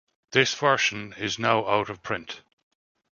This version is now out-of-print.